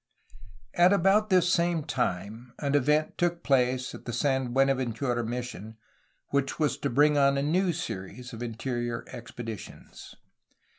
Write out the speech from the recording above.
At about this same time an event took place at the San Buenaventura mission which was to bring on a new series of interior expeditions.